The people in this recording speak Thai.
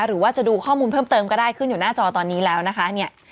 หรือว่าจะดูข้อมูลเพิ่มเติมก็ได้ขึ้นอยู่หน้าจอตอนนี้แล้วนะคะเนี่ย